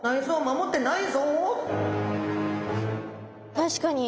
確かに。